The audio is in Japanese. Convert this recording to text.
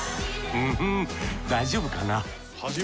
うん大丈夫かな？